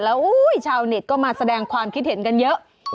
แล้วชาวเน็ตก็มาแสดงความคิดเห็นกันเยอะ